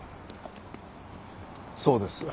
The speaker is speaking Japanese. そうですよ。